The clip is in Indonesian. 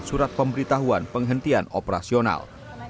surat pemberitahuan penghentian operasional